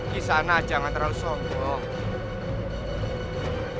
gizana jangan terlalu sombong